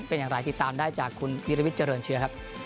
เป็นอย่างไรติดตามได้จากคุณวิรวิทย์เจริญเชื้อครับ